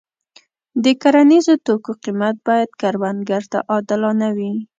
د کرنیزو توکو قیمت باید کروندګر ته عادلانه وي.